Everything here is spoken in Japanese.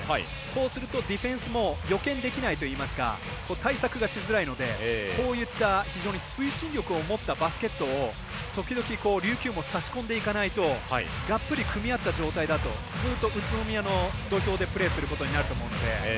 こうすると、ディフェンスも予見できないといいますか対策がしづらいので非常に推進力を持ったバスケットを時々琉球もさしこんでいかないとがっぷり組み合った状態だとずっと宇都宮の土俵でプレーすることになると思うので。